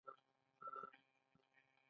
هغه د برېټانیا او مستعمرو کې اټکل کړی و.